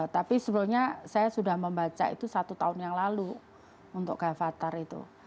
tapi sebenarnya saya sudah membaca itu satu tahun yang lalu untuk gavatar itu